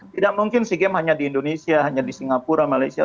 tidak mungkin sea games hanya di indonesia hanya di singapura malaysia